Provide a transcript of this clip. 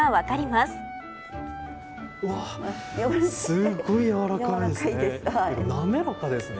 すごい、やわらかいですね。